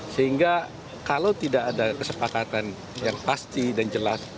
sehingga kalau tidak ada kesepakatan yang pasti dan jelas